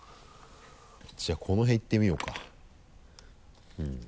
じゃあこの辺いってみようか。